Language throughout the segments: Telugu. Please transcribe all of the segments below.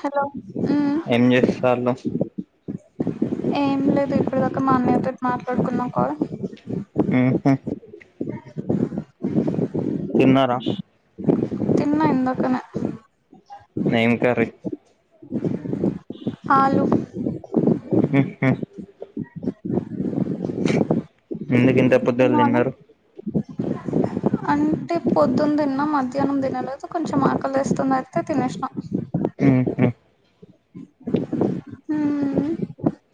హలో హ్మ్ ఏం చేస్తాళ్ళు ఏం లేదు ఇప్పటిదాకా మా అన్నయ్యతో మాట్లాడుకున్నా కాల్ హ్మ్ హు తిన్నారా తిన్నా ఇందాకనే నేం కర్రీ ఆలు హ్మ్ హ ఎందుకు ఇంత పోద్దులు తిన్నావా తిన్నారు అంటే పొద్దున్న తిన్నా మధ్యాహ్నం తినలేదు కొంచం ఆకలి తెస్తు అయితే తినేసినా హ్మ్ హు హ్మ్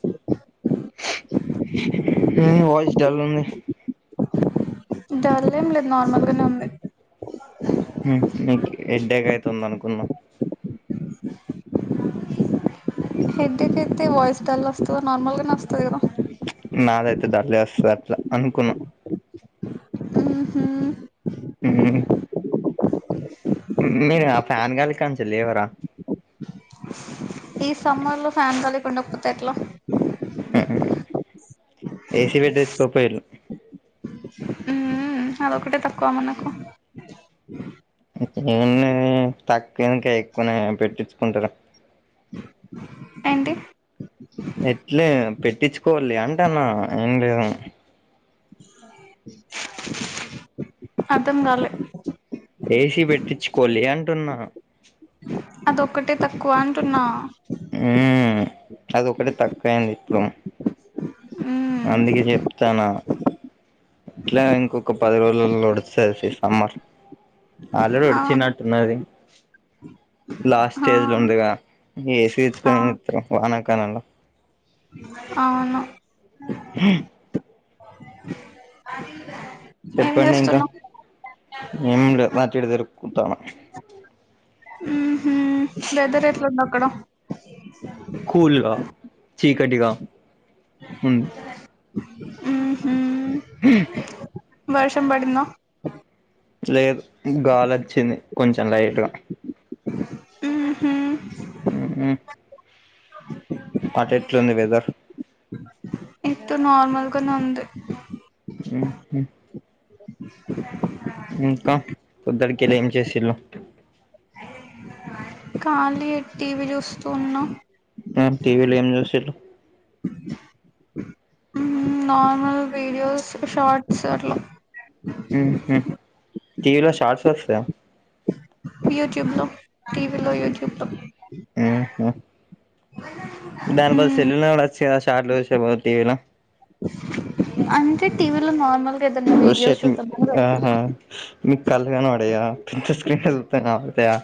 హ్మ్ వాయిస్ డల్ ఉంది డల్ ఏం లేదు నార్మల్గానే ఉంది తుంద్ అనుకున్నా హెడేక్ అయితే వోయిస్ డల్ వస్తదా నార్మల్గానే వస్తది కదా నాదైతే డలే వస్తది అట్లా అనుకున్నా హ్మ్ హు హ్మ్ మీయ్ ఆ ఫ్యాన్ కలిగా నుంచి లేవరా ఈ సమ్మర్ లో ఫ్యాన్ గాలికి ఉండక పోతే ఎట్లా ఏసీ పెట్టిచుకు పోయిలు హ్మ్ హా అది ఒకటే తక్కువ మనకు ఉన్ని తక్కువ ఇంక ఎక్కువనే పెట్టించుకుంటలే ఏంటి ఇట్లే పెట్టించుకోవాలి అంటన్న ఏం లేదు అర్థం కాలే ఏసీ పెట్టించుకోలే అంటున్నా అది ఒక్కటే తక్కువ అంటున్నా అది ఒకటే తక్కువ అయింది ఇప్పుడు మ్మ్ అందుకే చెప్తానా ఇట్లా అయినా ఇంకొక పది రోజులలో వొడుస్తాస సే సమ్మర్ ఆల్రెడీ అవును వోడిచినట్టున్నది లాస్ట్ ఆ స్టేజ్ లో ఉందిగా ఏసి ఆ తెచ్చుకోని ఏం చేతరు వాన కాలంలో అవును హా అది చెప్పండి ఇంకా ఏం లే అటు ఇటు తిరుకుంటాన్నా హ్మ్ హు వెదర్ ఎట్లా ఉంది అక్కడ కూల్గా చీకటిగా హ్మ్ హ్మ్ హు వర్షం పడిందా లేదు గాలి వచ్చింది కొంచం లైట్గా ఉ హు ఉ హు ఆ- అటు ఎట్లుంది వెదర్ ఇటు నార్మల్గానే ఉంది ఉ హు ఇటు సైడు ఇటుకెళ్ళి ఏం చేసిర్రు కాలీ టీవీ చూస్తూ ఉన్నాం టీవీలో ఏం చేశారు నార్మల్ వీడియోస్ షార్ట్స్ అట్లా ఉ హు టీవి లో షార్ట్ లు వస్తాయా యూట్యూబ్ లో టీవీలో యూట్యూబ్లో దానికి బదులు సెల్లు కూడా చుడవచ్చు కదా షార్ట్లు చూసే టీవీలో అంటే టీవీలో నార్మల్ గా ఏదైనా వీడియోస్ షర్ట్ చూద్దామని ఆ పెట్టా మీకు కళ్ళ కనబడయా స్క్రీన్ చూస్తున్నావా అంతేగా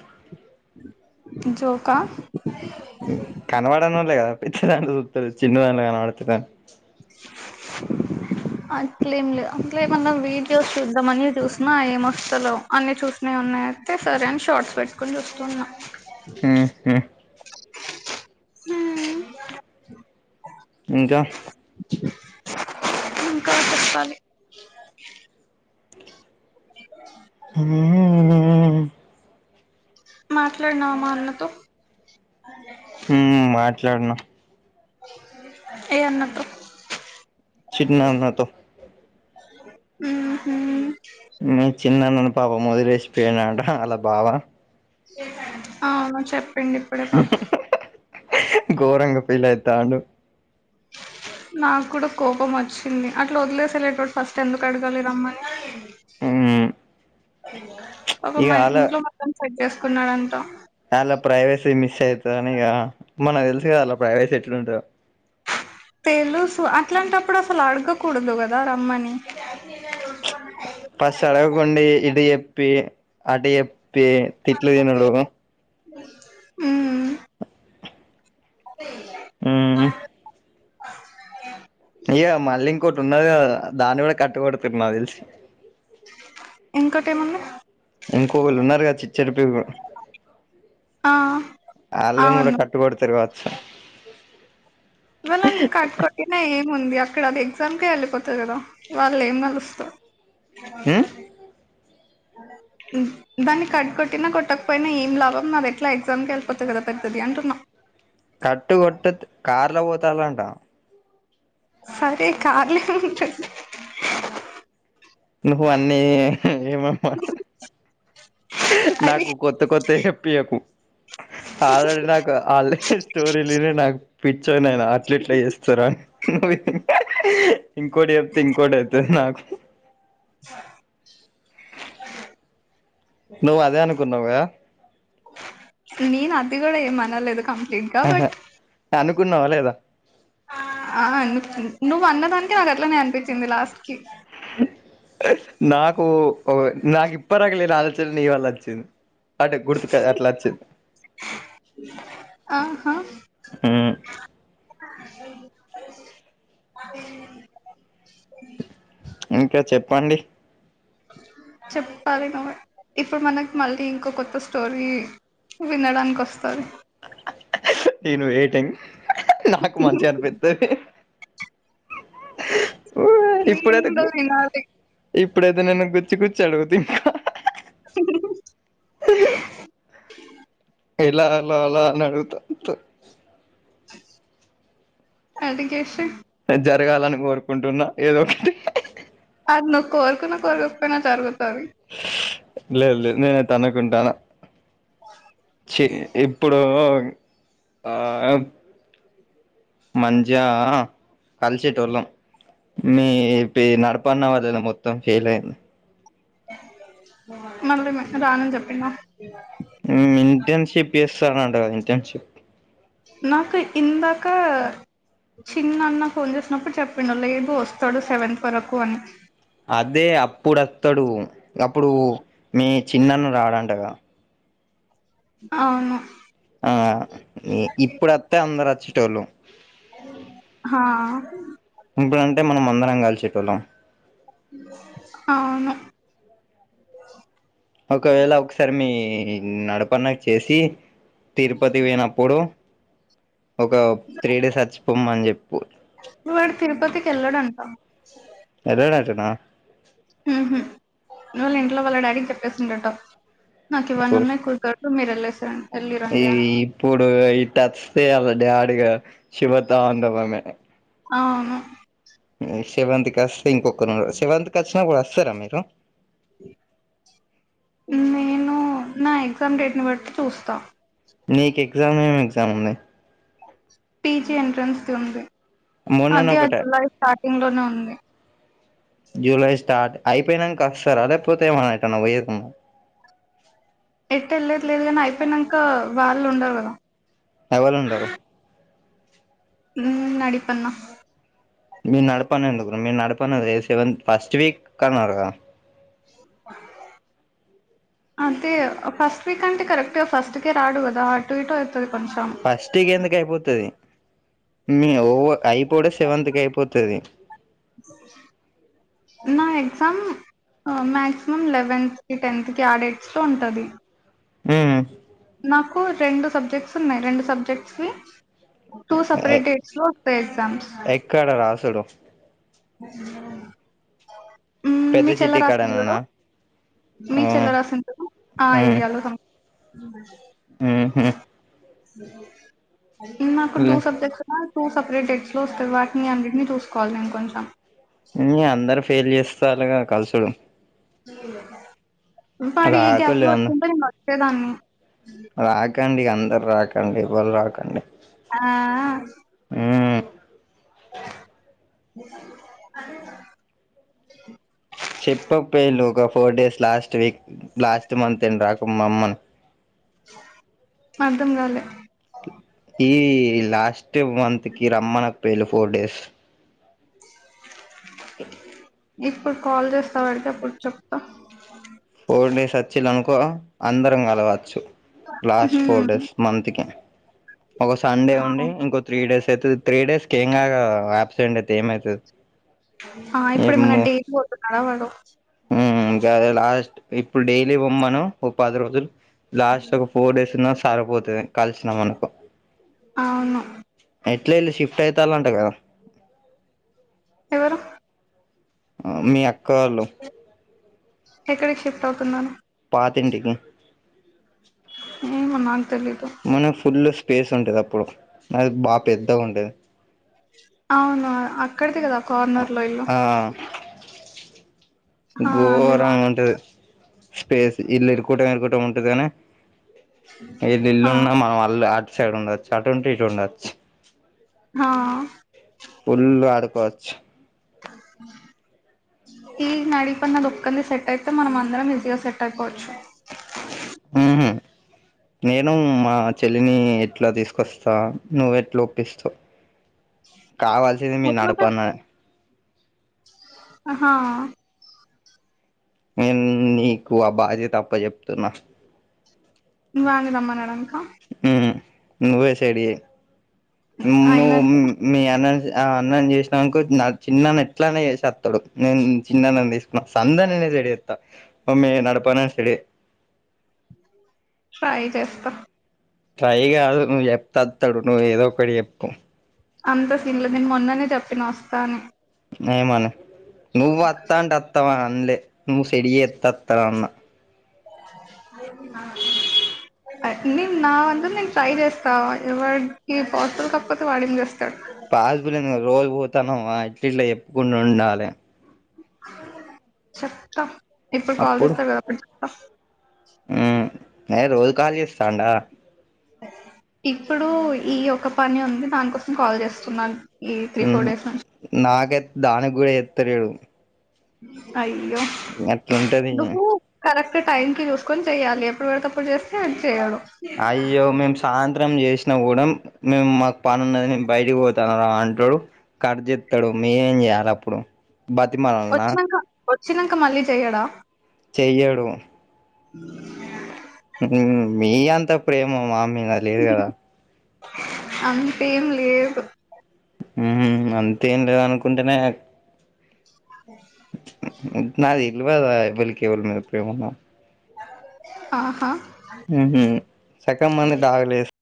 జోకా కనబడని వాళ్లే కదా పెద్దదాంట్లో చిన్న దాంట్లో కనబడుటలేదని వర్షం సౌండ్ వర్షం సౌండ్ అట్లేం లేదు అట్లే ఏమన్నా వీడియోస్ చూద్దాంమని చూసినా ఏమ వస్తలేవు అన్ని చూసిననే ఉన్నాయి అయితే సరే అని షార్ట్స్ పెట్టుకొని చూస్తున్న ఉ హు హ్మ్ ఇంకా ఇంకా చెప్పాలి ఉ ఉఊ మాట్లాడినావ మా అన్నతో ఉ మాట్లాడీన ఏ అన్నతో చిన్న అన్నా తో ఉ హు మీ చిన్న అన్న ని పాపం ఓదిలేసిపోయినాంట అలా బావా అవును చెప్పండి ఇప్పుడే పాపం ఫీల్ అయితాండు నాకు కూడా కోపం వచ్చింది అట్లా వదిలేస వెళ్ళేటప్పుడు ఫస్ట్ ఎందుకు అడగాలి రమ్మని ఉ ఒక మా ఇంట్లో మొత్తం సెట్ చేసుకున్నాడంతా అలా ప్రైవేసీ మిస్ అవుతా అనిక మనకు తెలుసు కదా అలా ప్రైవేసీ ఎట్లుంటావు తెలుసు అట్లాంటప్పుడు అసలు అడగకూడదు కదా రమ్మని ఫస్ట్ అడగకుండి ఇటు చెప్పి అటు చెప్పి పే తిట్లదిన్నడు ఉ ఉ హు ఉ అయ్య మళ్లీ ఇంకోటి ఉన్నద దాన్ని కూడా కట్ కొడుతడు నాకు తెలుసు ఇంకోటి ఏమంది ఇంకో వీళ్ళు ఉన్నారు కదా చిచ్చరపిడుగు ఆ వాళ్ళను కూడా అవును కట్టు కొటుకొడతాకావచ్చా వాళ్లను కట్కుటినే మందియా ఇక్కడ అది ఎగ్జామ్కే వెళ్ళిపోతుది కదా వాళ్లెం కలుస్త ఉమ్ దాన్ని కట్టు కొట్టినా కొట్టకపోయినా ఏం లాభం మరెట్లా ఎగ్జామ్కి వెళ్ిపోతుచ్చంది కదా పెద్దది. అంటున్నా కట్టు కొట్టు కార్లో పోతాలంట సరే కాార్లే ఉంటది నువ్వు అన్నీ ఏమమ్మా అది నాకు కొత్త కొత్ ప్పెకు ఏము ఆల్రెడీ నాకు ఆ స్టోరీ నాక్ పి చో నేను అట్ల ఇట్ల చేస్తరా నువ్వు ఇంకోటి చెప్తే ఇంకోటి అయితది నాకు నువ్వు అదే అనుకున్నావ్ కదా నేను అది కూడ ఏమనలేదు కంప్లీట్గా బట్ కున్నావ లేదా ఆ ను నువ్వు అన్నదానికి నాకట్లనేే అనిపించింది లాస్ట్ కి నాకు నాకు ఇప్పడీదాక లేని ఆలోచన నీవళ్ళ వచ్చింది అంటే గుర్తుక్ అట్ల వచ్చింది ఆహా ఉమ్ [unintelligible] ఇంక చెప్పండి చెప్పాలి నువ్వు ఇప్పుడు మనకి మళ్ళీ ఇంకో కొత్త స్టోరీ వినడానికి వస్తు నేను వెయిటింగ్ నాకు మంచిగా అనిపిస్తుంది మీర్ ఇప్పుడైతే గు ఉండుది నాది ఇప్పుడైతే నేను గుచ్చి గుచ్చి అడుగుతా ఇంకా చె ఇలా అలా అలా నడుగుతుంత అడికేష జరగాలని కోరుకుంటున్నా ఏదో ఒకటి అది నువ్వు కోరుకున్నా కోరుకోకపోయినా జరుగుతాంది నేన తనుుకుంటాన చ ఇప్పుడు ఆ మంచిగా కలిసిటులం మీ నడపన్న వాళ్ళ మొత్తం ఫెయిల్ అయింది మమ్మీ మిస్ రానని చెప్పిందా ఉ ఇంటేన్షిప్ చేసాడంటగా ఇంటేన్షిప్ నాకు ఇందాక చిన్నన్న ఫోన్ చేసినప్పుడు చెప్పిండు లేదు వస్తాడు సెవెంత్ వరకు అని అదే అప్పుడొత్తడు అప్పుడు మీ చిన్నన్న రాడంటగా అవును ఆ ఇప్పుడుస్తే అందరు వచ్చెటోళ్ళు హా ఇప్పుడంటే మనం అందరం కలిసేటోళ్ళం అవును ఒకవేళ ఒకసారి మీ నడపన్నకి చేసి తిరుపతి పోయినప్పుడు ఒక త్రీ డేస్ అచ్చిపోమ్మ ని చెప్పు నువ్వాడ తిరుపతికి వెళ్ళాడంటా ఎల్లాడటనా ఊహు వాళ్ళ ఇంట్లో వాళ్ళ డాడీకి చెప్పేసిండట నాకు ఇవన్న ఉన్నాయి కూ మీరేళ్లేసి రండి ఈ ఇప్పుడు ఇ టచ్చే దే అడిగా శివతాండమే అవును ఉ సెవెంత్ కి వస్తే ఇంకొక నాడు సెవెంత్ కు వచ్చినప్పుడు వస్తారా మీరు నేను నా ఎగ్జామ్ డేట్ ను బట్టి చూస్తా నీకు ఎగ్జామ్ ఏమి ఎగ్జామ్ ఉన్నాయి పీజీ ఎంట్రన్స్ ఉంది మొన్ననే అది ఆ ఒకటే జులై స్టార్టింగ్ లోనే ఉంది జూలై స్టార్ట్ అయిపోయినంకా కస్తారా లేపోతే ఏమన్నా ఎటు అన్నా పోయేది ఉం ఎట్ వెళ్ళటు లేదు కాని అయిపోయినాంక వాళ్ళు ఉండరు కదా ఎవలు ఉండరు ఉ అడిపన్నా మీరు నడపనే ఎందుకు రా మీరు నడపనేది సెవెంత్ ఫస్ట్ వీక్ కన్నారుగా అదే ఫస్ట్ వీక్ అంటే కరెక్ట్ ఫస్ట్ కే రాడు కదా అటు ఇటు అయి ఫస్ట్కి ఎందుకు అయిపోతది మీ ఔ అయిపోవుడు సెవెంత్ కి అయిపోతది నా ఎగ్జామ్ ఆ మాక్సిమం లెవెన్త్ కి టెన్త్ కి ఆ డేట్స్ లో ఉంటది ఉ నాకు రెండు సబ్జెక్ట్స్ ఉన్నాయి రెండు సబ్జక్ట్స్ వి టూ సపరేట్ డేట్స్ లో పె ఎగ్జామ్స్ ఎక్కడ రాసుడు ఉ పెద్ద మీ చెల్లె చిట్టి రాసింది చూడు కాడనేనా మీ ఆ చెల్ల రాసింది చూడు ఆ ఏరియాలో తుమ్ ఆహా ఉమ్ మాకు టూ సబ్జెక్ట్స్ మా టూ సెపరేట్ డేట్స్ లో వస్తారు వాటిని అన్నిటిని చూసుకోవాలి నేను కొంచెం ని అందరు ఫెయిల్ చేస్తరు గా కలుసుడు వాడు ఈ గ్యాప్ లో రాకులు వచ్చింటే నేను వచ్చేదాన్ని రాకండి అందరు రాకండి ఎవ్వలు రాకండి ఆ హు అదీప చెప్పు అబ్బా ఈ లోగప్ four days last week last month ఏం రాకు మా అమ్మను అర్ధం కాలే ఈ లాస్ట్ మంత్ కి రమ్మన పోయిలు ఫోర్ డేస్ ఇప్పుడు కాల్ చేస్తా వరకి అప్పుడు చెప్తా ఫోర్ డేస్ వచ్చిలానుకో అందరం కలవచ్చు లాస్ట్ ఉహు ఫోర్ డేస్ మంత్ కి ఒక సండే ఉండి ఇంకో త్రీ డేస్ అయితది త్రీ డేస్ కి ఏం కాదు ఆ ఆబ్సెంట్ అయితే ఏమయితది ఆ ఇప్పుడు ఏమన్నా ఏమ్మో డేట్ పోతున్నాడా వాడు ఉ గాదే లాస్ట్ ఇప్పుడు డైలీ వోమ్మను ఒక పది రోజులు లాస్ట్ ఒక ఫోర్ డేస్ ఉన్న ఆరిపోతది కలిసిన మానుకో అవును ఏట్ల ఇల్లు షిఫ్ట్ అయితలంట కదా హ అ మీ అక్క వాళ్ళు ఎక్కడకి షిఫ్ట్ అవుతున్నాను పాత ఇంటికి ఏమో నాకు తెలీదు మన ఫుల్ స్పేస్ ఉంటది అప్పుడు అది బాగా పెద్దగా ఉంటది అవును అక్కడిది కదా కార్నర్ లో ఇల్లు ఆ అది వా గోరం ఉంటది స్పేస్ ఇల్లు ఇరుకు కుటం ఇరుకటం ఉంటది కానీ ఏది ఆ ఇల్లున్నా మనం వాళ్ళు అటు సైడ్ ఉండొచ్చు అటు ఉంటే ఇటు ఉండొచ్చు హా ఫుల్ ఆడుకోవచ్చు ఈ నడిపన్న లుక్ అంది సెట్ అయితే మనం అందరం ఈజీగా సెట్ అయిపోవచ్చు ఉహూ నేను మా చెల్లిని ఎట్లా తీసుకొస్తా నువ్వెట్లా ఒప్పిస్తావు కావాల్సింది మీ మొత్తం నడపన్న ఆహా నేను నీకు ఆ బాధ్యత అప్పచెప్తున్నా వాంగదమ్మనడం ఊ నువ్వే సైడ్ చెయ్ ఆయన నువు ఉన్న మీ అన్న ఆ అన్నన్ని చేసినాకో చిన్నన్న ఎట్లనే చేస స్తాడు నేను చిన్నన్న తీసుకున్నా సందని లేదు ఎత్తా మమ్మే నపనా సలి ట్రై చేస్తా టై కాదు నువ్వు చెప్త అస్తాడు నువ్వు ఏదో ఒకటి చెప్పు అంత సీన్లో దీని మొన్ననే చెప్పిన వస్తా అని న మన నువ్వు వత్తాంటత్తవా అన్నలే నువ్వు చెడి ఎత్తత్త అన్న అ నేను నా అంద నేను ట్రై చేస్తా ఎవరికి పోస్లు కాకపోతే వాడింది చేస్తా పాస్పులేను రోజు పోతాను ఇట్ ఇట్లా చెప్పుకుంటూ ఉండాలి చెప్తా ఇప్పుడు కాల్ అప్పుడు చేస్తారు కదా చెప్తా న రోజు కాల్ చేస్తాండా ఇప్పుడు ఈ ఒక పని ఉంది దానికోసం కాల్ చేస్తున్నాను ఈ త్రీ ఫోర్ డేస్ నుంచి నాకైతే దానికి కూడా ఎత్తలేడు అయ్యో అట్లుంటది [unintelligible] కరెక్ట్ టైం కి చూసుకొని చెయాలి ఎప్పు పెడేటప్పుడు చేస్తే అది చేయడు అయ్యో మేం శాంతి [unintelligible] చేసినా కూడా మేము మాకు పను ఉన్నది బయటకి పోతాను రా అంటాడు కట్ చేస్తాడు మేం ఏం చేయాలి అప్పుడు బతిమాలలా వచిినంక మళ్ళీ చెయ్యడా చెయ్యడు అ మీ అంతా ప్రేమ మామీద లేదు కదా అంతేం లేదు ఉహూ అంతేం లేదు అనుకుంటేనే నువ్వే కదా ఎవెళకి ఎవరి మీద ప్రేమన్నావ్ ఆహా ఉహూ చక్కం మంది [inaudible]